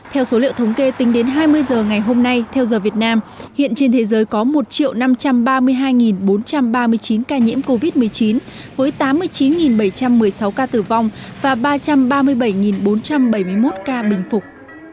theo số liệu thống kê tính đến hai mươi giờ ngày hôm nay theo giờ việt nam hiện trên thế giới có một năm trăm ba mươi hai bốn trăm ba mươi chín ca nhiễm covid một mươi chín với tám mươi chín bảy trăm một mươi sáu ca tử vong và ba trăm ba mươi bảy bốn trăm bảy mươi một ca bình phục